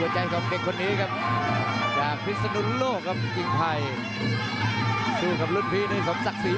จริงไทยโต้